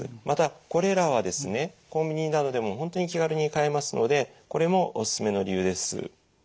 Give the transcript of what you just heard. またこれらはですねコンビニなどでも本当に気軽に買えますのでこれもおすすめの理由です。